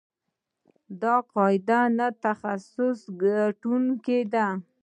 دا قاعده نه تخصیص کېدونکې ده.